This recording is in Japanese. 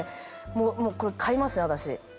もうこれ買いますね私。